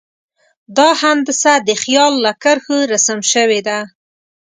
دا هندسه د خیال له کرښو رسم شوې ده.